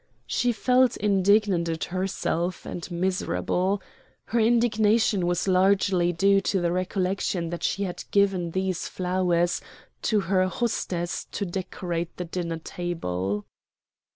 She felt indignant at herself, and miserable. Her indignation was largely due to the recollection that she had given these flowers to her hostess to decorate the dinner table.